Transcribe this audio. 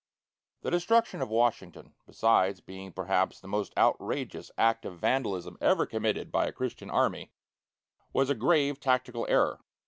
The destruction of Washington, besides being perhaps the most outrageous act of vandalism ever committed by a Christian army, was a grave tactical error.